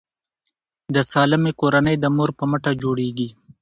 د سالمې کورنۍ د مور په مټه جوړیږي.